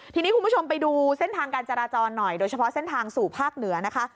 ทีนี้คุณผู้ชมไปดูเส้นทางการจราจรหน่อยโดยเฉพาะเส้นทางสู่ภาคเหนือนะคะ